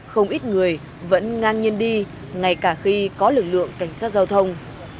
không ít người vẫn ngang nhiên đi ngay cả khi có lực lượng cảnh sát giao thông